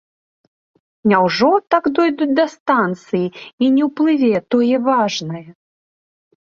Няўжо так дойдуць да станцыі і не ўсплыве тое важнае!